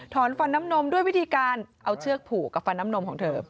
ฟันฟันน้ำนมด้วยวิธีการเอาเชือกผูกกับฟันน้ำนมของเธอ